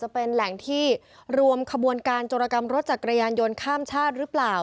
เป็นแหล่งที่รวมขบวนการจรกรรมรถจักรยานยนต์ข้ามชาติหรือเปล่า